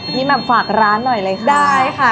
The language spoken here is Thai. แม่มฝากร้านหน่อยเลยค่ะได้ค่ะ